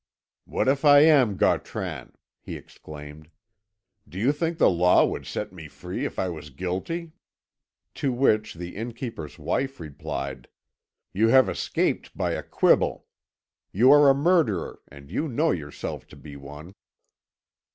"What if I am Gautran?" he exclaimed. "Do you think the law would set me free if I was guilty?" To which the innkeeper's wife replied: "You have escaped by a quibble. You are a murderer, and you know yourself to be one."